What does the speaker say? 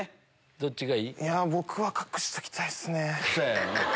どっちがいい？